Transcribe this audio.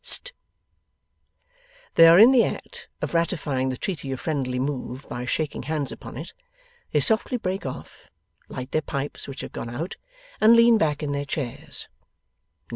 St!' They are in the act of ratifying the treaty of friendly move, by shaking hands upon it. They softly break off, light their pipes which have gone out, and lean back in their chairs.